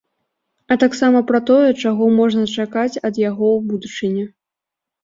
А таксама пра тое, чаго можна чакаць ад яго ў будучыні.